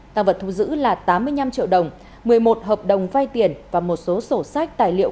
tăng vật thu giữ là tám mươi năm triệu đồng một mươi một hợp đồng vay tiền và một số sổ sách tài liệu